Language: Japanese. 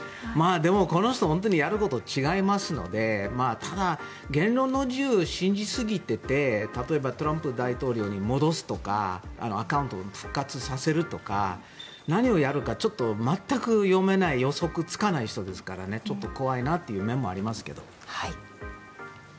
でもこの人、本当にやることが違いますのでただ、言論の自由を信じすぎていて例えばトランプ大統領に戻すとかアカウントを復活させるとか何をやるか全く読めない予測がつかない人ですからちょっと怖いなという面もありますけど。